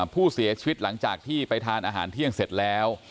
ผู้เสียชีวิตหลังจากที่ไปทานอาหารเที่ยงเสร็จแล้ว